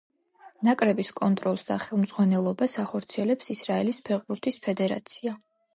ნაკრების კონტროლს და ხელმძღვანელობას ახორციელებს ისრაელის ფეხბურთის ფედერაცია.